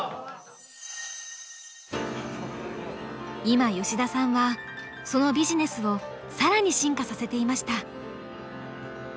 今吉田さんはそのビジネスを更に進化させていました。